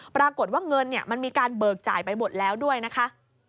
ปรากฏว่าเงินมันมีการเบิกจ่ายไปหมดแล้วด้วยนะคะ